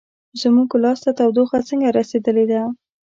زموږ لاس ته تودوخه څنګه رسیدلې ده؟